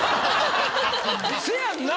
せやんな。